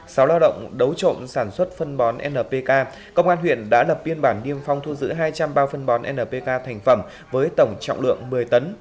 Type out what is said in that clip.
sau lao động đấu trộm sản xuất phân bón npk công an huyện đã lập biên bản niêm phong thu giữ hai trăm linh bao phân bón npk thành phẩm với tổng trọng lượng một mươi tấn